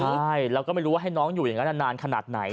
ใช่แล้วก็ไม่รู้ว่าให้น้องอยู่อย่างนั้นนานขนาดไหน